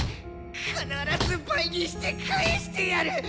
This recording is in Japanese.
必ず倍にして返してやるッ！